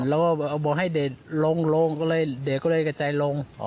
แล้วก็บอกให้เด็กลงก็เลยเด็กก็เลยกระจายลง